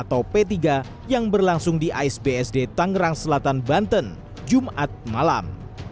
atau p tiga yang berlangsung di asbsd tangerang selatan banten jumat malam